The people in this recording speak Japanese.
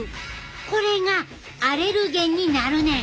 これがアレルゲンになるねん。